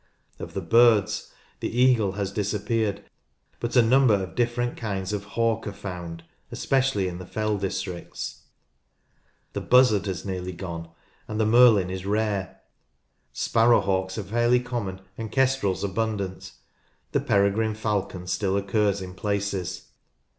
Of the birds, the eagle has disappeared, but a number of different kinds of hawk are found, especially in the fell districts. The buzzard has nearly gone and the merlin is rare. Sparrow hawks are fairly common and kestrels abundant. The peregrine falcon still occurs in places.